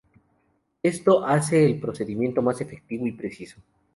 Esto hace el procedimiento más efectivo y preciso.